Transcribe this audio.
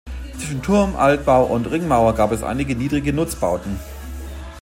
Zwischen Turm, "Altbau" und Ringmauer gab es einige niedrige Nutzbauten.